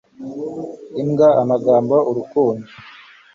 imbwa amagambo urukundo